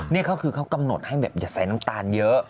นี่ก็คือเขากำหนดให้แบบอย่าใส่น้ำตาลเยอะ